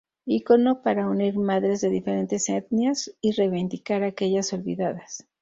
Ícono para unir madres de diferentes etnias y reivindicar a aquellas olvidadas.